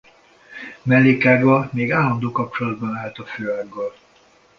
Mellékága még állandó kapcsolatban állt a főággal.